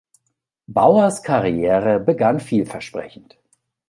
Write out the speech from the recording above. Bauers Karriere begann vielversprechend.